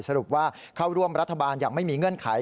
สรุปว่าเข้าร่วมรัฐบาลอย่างไม่มีเงื่อนไข